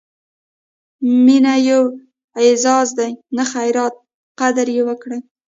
مینه یو اعزاز دی، نه خیرات؛ قدر یې وکړئ!